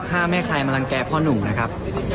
ถ้าแม่ใครมารังแก่พ่อหนุ่มนะครับ